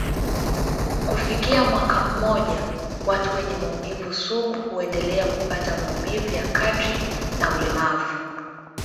Kufikia mwaka mmoja, watu wenye maumivu sugu huendelea kupata maumivu ya kadri na ulemavu.